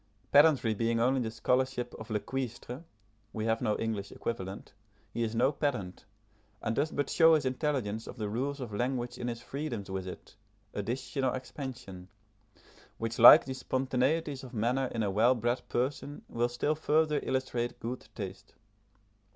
Pedantry being only the scholarship of le cuistre (we have no English equivalent) he is no pedant, and does but show his intelligence of the rules of language in his freedoms with it, addition or expansion, which like the spontaneities of manner in a well bred person will still further illustrate good taste.